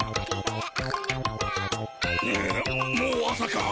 んもう朝か。